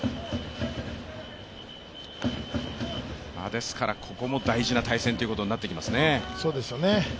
ですからここも大事な対戦ということになってきますね。